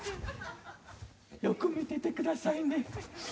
よく見ててくださいね。